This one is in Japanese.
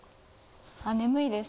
あ眠いです。